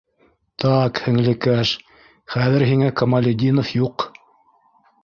Та-ак, һеңлекәш, хәҙер һиңә Камалетдинов юҡ!